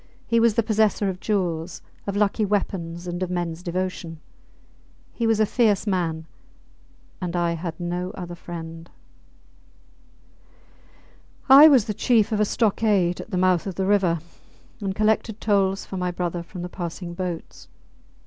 He was the possessor of jewels, of lucky weapons, and of mens devotion. He was a fierce man; and I had no other friend. I was the chief of a stockade at the mouth of the river, and collected tolls for my brother from the passing boats.